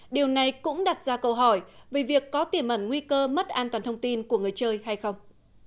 điều này cũng đặt ra câu hỏi về việc có tiềm ẩn nguy cơ mất an toàn thông tin của người chơi hay không